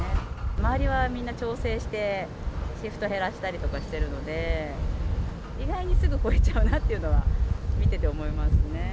周りはみんな調整して、シフト減らしたりとかしてるので、意外にすぐ超えちゃうなというのは、見てて思いますね。